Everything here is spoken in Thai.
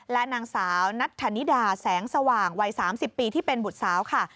และนางสาวนัทธนิดาแสงสว่างวัย๓๐ปีที่เป็นบุตรสาวค่ะ